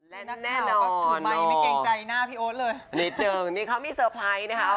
และแน่นอนนี่เขามีเซอร์ไพรส์นะครับ